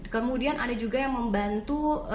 kemudian ada juga yang membantu